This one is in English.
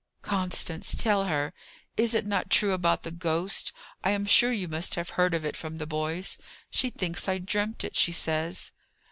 "Constance, tell her. Is it not true about the ghost? I am sure you must have heard of it from the boys. She thinks I dreamt it, she says."